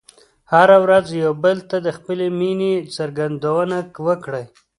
هره ورځ یو بل ته د خپلې مینې څرګندونه وکړئ.